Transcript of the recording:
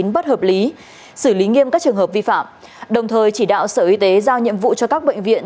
bất hợp lý xử lý nghiêm các trường hợp vi phạm đồng thời chỉ đạo sở y tế giao nhiệm vụ cho các bệnh viện